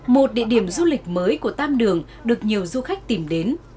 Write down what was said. một địa điểm du lịch mới của tam đường được nhiều du khách tìm đến